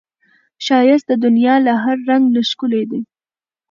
ښایست د دنیا له هر رنګ نه ښکلی دی